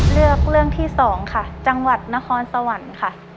เลือกเรื่องที่สองค่ะจังหวัดนครสวรรค์ค่ะ